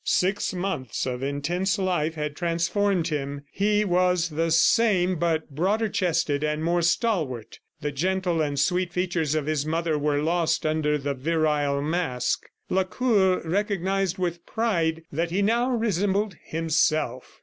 Six months of intense life had transformed him. He was the same but broader chested and more stalwart. The gentle and sweet features of his mother were lost under the virile mask. ... Lacour recognized with pride that he now resembled himself.